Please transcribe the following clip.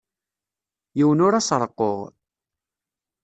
Yiwen ur as-reqquɣ.